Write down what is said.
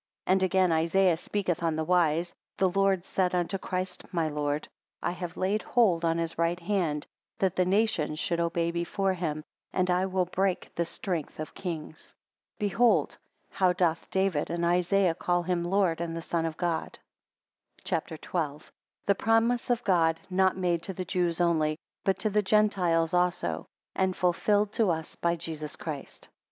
14 And again Isaiah speaketh on this wise, The Lord said unto Christ my Lord, I have laid hold on his right hand, that the nations should obey before him, and I will break the strength of kings. 15 Behold, how doth David and Isaiah call him Lord, and the Son of God. CHAPTER XII. The Promise of God not made to the Jews only, but to the Gentiles also, and fulfilled to us by Jesus Christ.